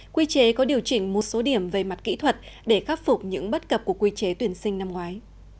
quy chế có điều chỉnh một số điểm về mặt kỹ thuật để khắc phục những bất cập của quy chế tuyển sinh năm ngoái